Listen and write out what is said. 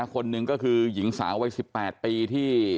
คนหนึ่งก็คือหญิงสาววัย๑๘ปีที่